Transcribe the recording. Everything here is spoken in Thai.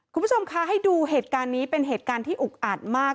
คุณผู้ชมคะให้ดูเหตุการณ์นี้เป็นเหตุการณ์ที่อุกอัดมาก